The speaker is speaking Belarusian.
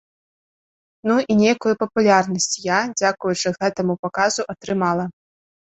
Ну і нейкую папулярнасць я, дзякуючы гэтаму паказу, атрымала.